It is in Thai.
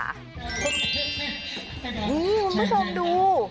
คุณผู้ชมดู